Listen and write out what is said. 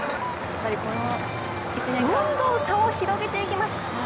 どんどん差を広げていきます。